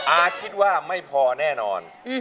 อาคิดว่าไม่พอแน่นอน